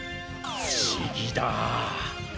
不思議だ。